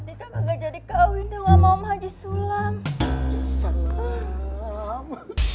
atika gak jadi koin dengan om haji sulam